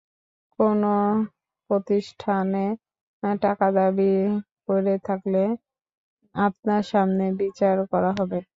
কোনো প্রতিষ্ঠানে টাকা দাবি করে থাকলে আপনার সামনেই বিচার করা হবে।